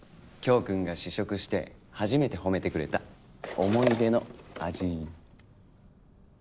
京くんが試食して初めて褒めてくれた思い出の味。